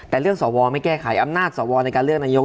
แต่เรื่องสวไม่แก้ไขอำนาจสวในการเลือกนายก